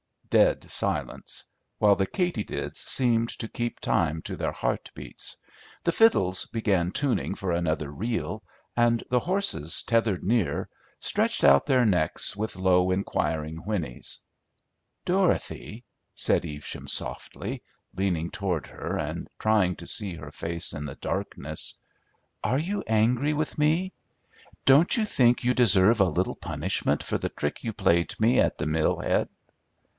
Dead silence, while the katydids seemed to keep time to their heart beats; the fiddles began tuning for another reel, and the horses, tethered near, stretched out their necks with low, inquiring whinnies. "Dorothy," said Evesham softly, leaning toward her and trying to see her face in the darkness, "are you angry with me? Don't you think you deserve a little punishment for the trick you played me at the mill head?"